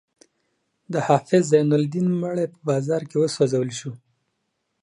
د حافظ زین الدین مړی په بازار کې وسوځول شو.